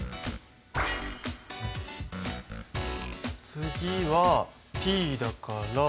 次はＴだから。